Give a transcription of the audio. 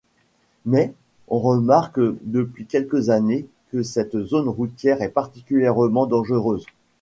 Mais, on remarque depuis quelques années que cette zone routière est particulièrement dangereuse.